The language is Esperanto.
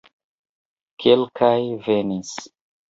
Kelkaj venis.